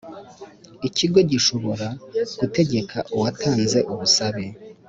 Ikigo gishobora gutegeka uwatanze ubusabe